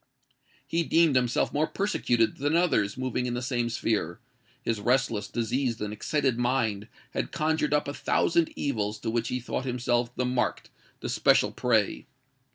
He deemed himself more persecuted than others moving in the same sphere: his restless, diseased, and excited mind, had conjured up a thousand evils to which he thought himself the marked—the special prey.